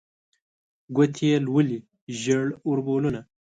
ګوتې یې لولي ژړ اوربلونه